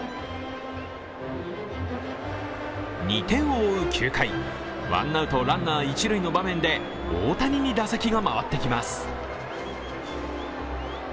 ２点を追う９回、ワンアウトランナー、一塁の場面で大谷に打席が回ってきます。